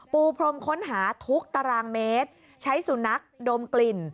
ปูพรมค้นหาทุกตารางเมตรใช้สุนัขดมกลิ่น